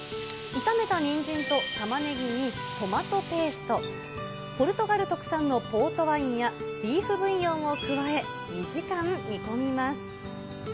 炒めたにんじんとたまねぎにトマトペースト、ポルトガル特産のポートワインや、ビーフブイヨンを加え、２時間煮込みます。